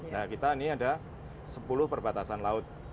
nah kita ini ada sepuluh perbatasan laut